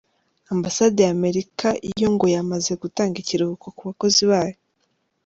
Ambasade y’Amerika yo ngo yamaze gutanga ikiruhuko ku bakozi bayo.